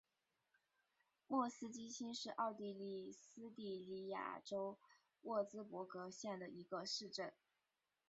莫斯基兴是奥地利施蒂利亚州沃茨伯格县的一个市镇。